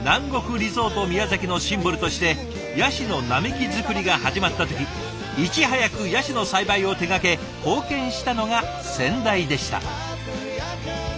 リゾート宮崎のシンボルとしてヤシの並木造りが始まった時いち早くヤシの栽培を手がけ貢献したのが先代でした。